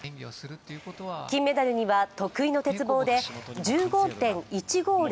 金メダルには得意の鉄棒で１５．１５０